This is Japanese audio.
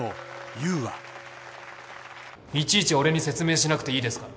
いちいち俺に説明しなくていいですから。